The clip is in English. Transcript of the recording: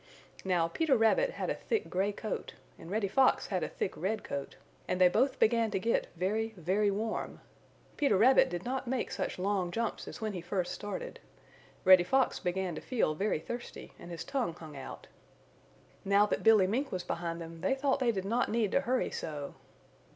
Now, Peter Rabbit had a thick gray coat and Reddy Fox had a thick red coat, and they both began to get very, very warm. Peter Rabbit did not make such long jumps as when he first started. Reddy Fox began to feel very thirsty, and his tongue hung out. Now that Billy Mink was behind them they thought they did not need to hurry so.